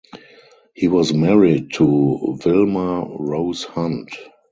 He was married to Vilma Rose Hunt.